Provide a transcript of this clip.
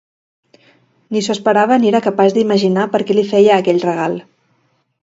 Ni s'ho esperava ni era capaç d'imaginar per què li feia aquell regal.